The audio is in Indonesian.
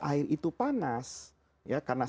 air itu panas ya karena